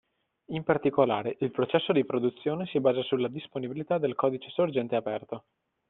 In particolare, il processo di produzione si basa sulla disponibilità del codice sorgente aperto.